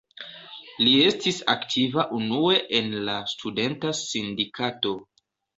Li estis aktiva unue en la studenta sindikato.